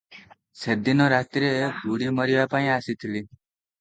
ସେଦିନ ରାତିରେ ବୁଡ଼ି ମରିବା ପାଇଁ ଆସିଥିଲି ।